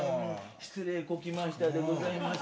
失礼こきましたでございます。